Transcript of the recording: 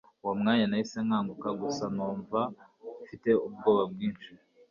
Uwo mwanya nahise nkanguka gusa numva mfite ubwoba bwinshi